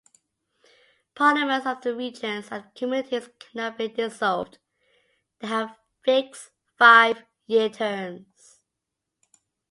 Parliaments of the regions and communities cannot be dissolved; they have fixed five-year terms.